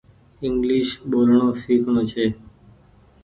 انگليش ٻولڻو سيکڻو ڇي۔